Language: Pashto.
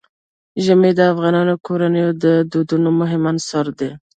ژمی د افغان کورنیو د دودونو مهم عنصر دی.